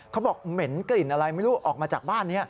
เหม็นกลิ่นอะไรไม่รู้ออกมาจากบ้านนี้